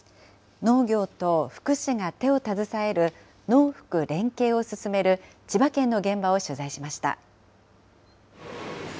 農業と福祉が手を携える農福連携を進める千葉県の現場を取材しました。